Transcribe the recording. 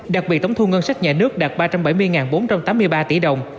đặc biệt tổng thu ngân sách nhà nước đạt ba trăm bảy mươi bốn trăm tám mươi ba tỷ đồng